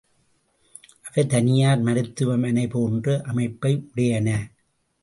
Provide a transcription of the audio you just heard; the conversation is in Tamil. அவை தனியார் மருத்துவமனை போன்ற அமைப்பை உடையன.